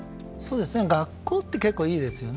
学校って結構、いいですね。